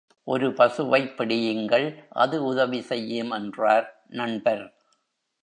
ஒரு பசுவைப் பிடியுங்கள் அது உதவி செய்யும் என்றார் நண்பர்.